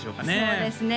そうですね